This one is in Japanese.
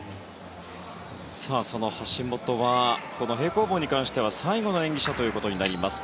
その橋本は平行棒に関しては最後の演技者となります。